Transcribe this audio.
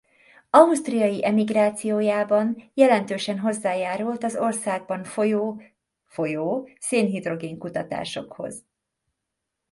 Ausztriai emigrációjában jelentősen hozzájárult az országban folyó folyó szénhidrogén-kutatásokhoz.